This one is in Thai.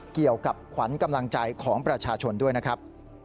เกี่ยวกับขวัญกำลังใจของประชาชนด้วยนะครับ